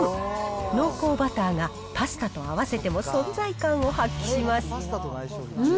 濃厚バターがパスタと合わせても存在感を発揮します。